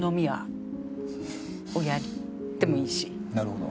なるほど。